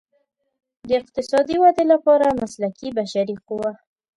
د اقتصادي ودې لپاره مسلکي بشري قوه.